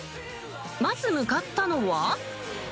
まず向かったのは。